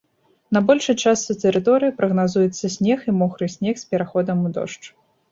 На большай частцы тэрыторыі прагназуецца снег і мокры снег з пераходам у дождж.